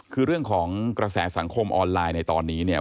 คือเรื่องของกระแสสังคมออนไลน์ในตอนนี้เนี่ย